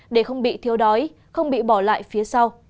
để không bị thiếu đói không bị bỏ lại phía sau